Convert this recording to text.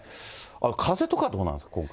風とかどうなんですか、今回。